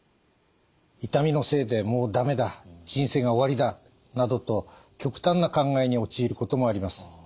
「痛みのせいでもう駄目だ人生が終わりだ」などと極端な考えに陥ることもあります。